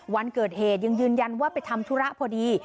วันเกิดเหตุยังยืนยันว่าไปทำธุระพอดี